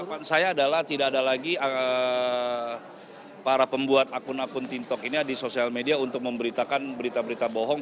harapan saya adalah tidak ada lagi para pembuat akun akun tiktok ini di sosial media untuk memberitakan berita berita bohong